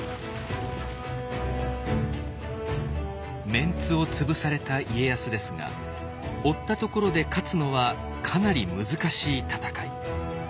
メンツを潰された家康ですが追ったところで勝つのはかなり難しい戦い。